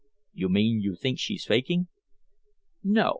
"You mean you think she's faking?" "No.